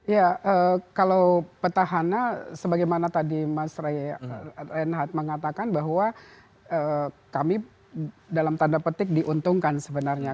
ya kalau petahana sebagaimana tadi mas reinhardt mengatakan bahwa kami dalam tanda petik diuntungkan sebenarnya